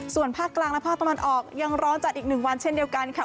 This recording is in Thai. ส่วนภาคกลางและภาคตะวันออกยังร้อนจัดอีก๑วันเช่นเดียวกันค่ะ